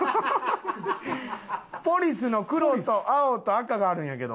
ポリスの黒と青と赤があるんやけど。